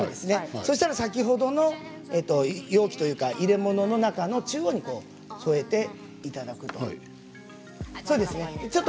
そうしたら先ほどの容器というか入れ物の中央に添えていただくと。